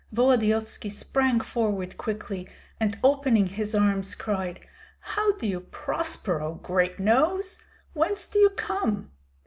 Volodyovski sprang forward quickly, and opening his arms cried, "How do you prosper, O Great nose? Whence do you come?"